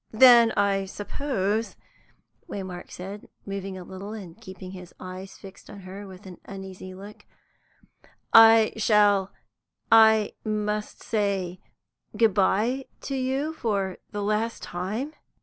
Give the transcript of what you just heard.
"Then I suppose," Waymark said, moving a little and keeping his eyes fixed on her with an uneasy look, "I shall I must say good bye to you, for the last time?"